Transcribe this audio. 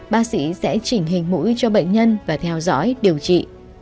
bác sĩ sẽ chỉnh hình mũi cho bệnh nhân và theo dõi điều trị